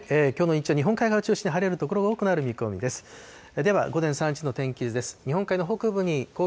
きょうの日中は日本海側を中心に晴れる所が多くなる見込みです。